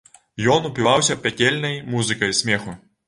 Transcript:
Ён упіваўся пякельнай музыкай смеху.